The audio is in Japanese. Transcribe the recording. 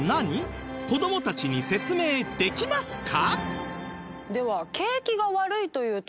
子どもたちに説明できますか？